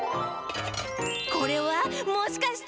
これはもしかして？